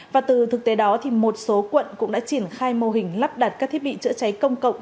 và từ thực tế đó một số quận cũng đã triển khai mô hình lắp đặt các thiết bị chữa cháy công cộng